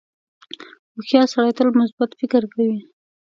• هوښیار سړی تل مثبت فکر کوي.